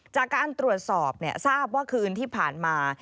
จากการตรวจสอบทราบว่าคืนที่ผ่านมา